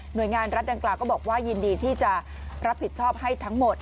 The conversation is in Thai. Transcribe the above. โดยงานรัฐดังกล่าวก็บอกว่ายินดีที่จะรับผิดชอบให้ทั้งหมด